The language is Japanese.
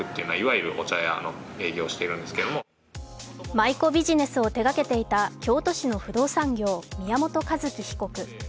舞妓ビジネスを手がけていた京都市の不動産業、宮本一希被告。